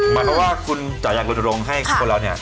หมายความว่าคุณจะอยากลนรงค์ให้คนเราเนี่ย